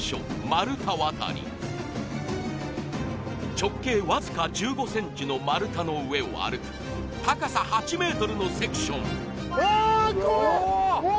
丸太渡り直径わずか１５ｃｍの丸太の上を歩く高さ８ｍのセクションうわー怖え！